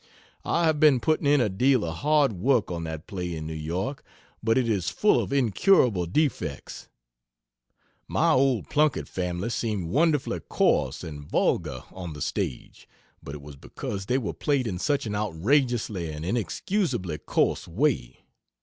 I have been putting in a deal of hard work on that play in New York, but it is full of incurable defects. My old Plunkett family seemed wonderfully coarse and vulgar on the stage, but it was because they were played in such an outrageously and inexcusably coarse way.